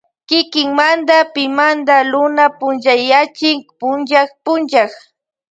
Kikinmada pimanda luna punchayachin punllak punllak.